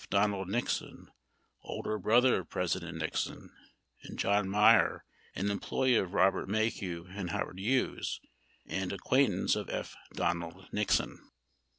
Donald Nixon, older brother of President Nixon, and John Meier, an employee of Robert Maheu and Howard Hughes and ac quaintance of F. Donald Nixon.